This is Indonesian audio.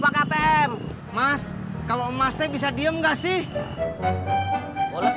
atm mas kalau emasnya bisa diem gak sih boleh coy